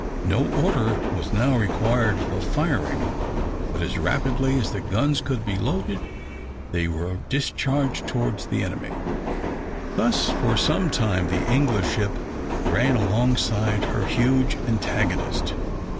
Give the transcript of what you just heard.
No order was now required for firing, but as rapidly as the guns could be loaded they were discharged towards the enemy. Thus for some time the English ship ran alongside her huge antagonist.